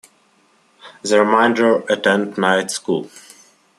The remainder attend night school.